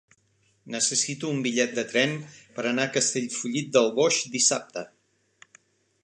Necessito un bitllet de tren per anar a Castellfollit del Boix dissabte.